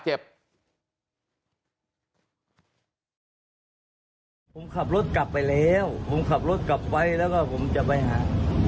ผมขับรถกลับไปแล้วผมขับรถกลับไปแล้วก็ผมจะไปหา